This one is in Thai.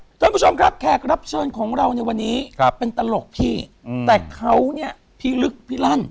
ท่านผู้ชมครับแขกรับเชิญของเราในวันนี้ครับเป็นตลกพี่แต่เขาเนี่ยพี่ลึกพี่ลั่น